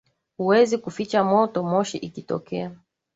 Huwezi kuficha moto moshi ikitokea